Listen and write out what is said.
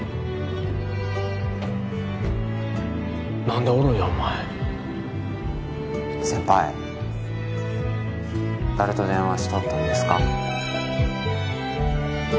何でおるんやお前先輩誰と電話しとったんですか？